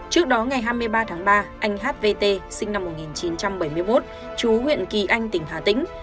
trước đó ngày hai mươi ba tháng ba anh hvt sinh năm một nghìn chín trăm bảy mươi một chú huyện kỳ anh tỉnh hà tĩnh